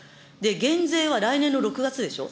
減税は来年の６月でしょ。